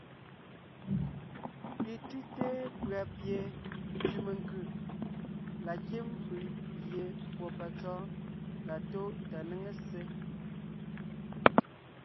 Pi tʉ́te pʉ̀a pie ntsẅì menkʉ̀ la kím fʉʼ gie fùɔ patsɔ́ɔn la tó tà néŋe ssé.